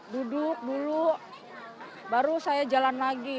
duduk dulu baru saya jalan lagi